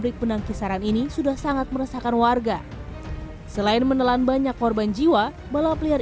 kesaran ini sudah sangat meresahkan warga selain menelan banyak korban jiwa balap liar